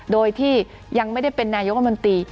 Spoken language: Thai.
โดยที่ยังไม่ได้เป็นนายกรมนตรี